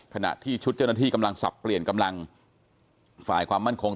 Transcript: ขณะที่ชุดเจ้าหน้าที่กำลังสับเปลี่ยนกำลังฝ่ายความมั่นคง